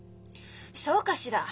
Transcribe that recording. そうかしら？